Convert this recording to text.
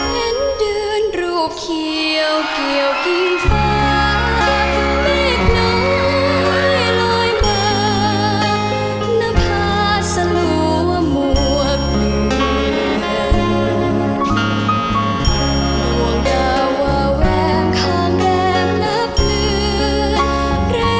โปรดติดตามตอนต่อไป